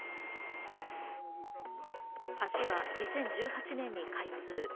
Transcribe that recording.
橋は２０１８年に開通。